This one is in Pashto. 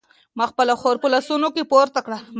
ما خپله خور په لاسونو کې پورته کړه.